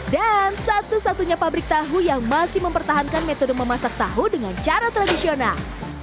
dan satu satunya pabrik tahu yang masih mempertahankan metode memasak tahu dengan cara tradisional